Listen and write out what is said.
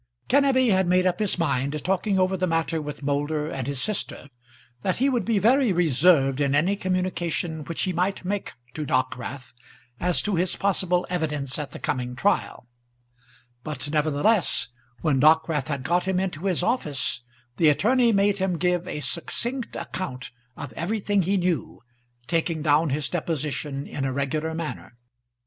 Kenneby had made up his mind, talking over the matter with Moulder and his sister, that he would be very reserved in any communication which he might make to Dockwrath as to his possible evidence at the coming trial; but nevertheless when Dockwrath had got him into his office, the attorney made him give a succinct account of everything he knew, taking down his deposition in a regular manner.